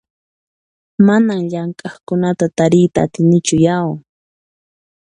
Manan llamk'aqkunata tariyta atinichu yau!